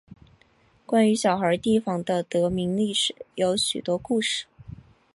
关于小孩堤防的得名历史有许多故事。